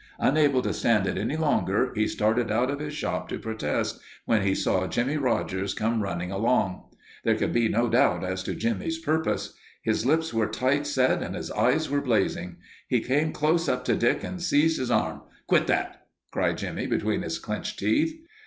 Unable to stand it any longer, he started out of his shop to protest, when he saw Jimmie Rogers come running along. There could be no doubt as to Jimmie's purpose. His lips were tight set and his eyes were blazing. He came close up to Dick and seized his arm. "Quit that!" cried Jimmie between his clenched teeth.